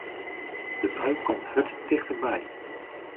De bui komt hurd tichterby.